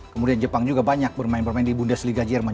kemudian jepang juga banyak bermain bermain di bundesliga jerman